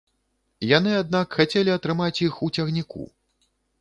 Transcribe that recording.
Яны, аднак, хацелі атрымаць іх у цягніку.